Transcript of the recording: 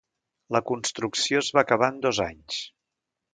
La construcció es va acabar en dos anys.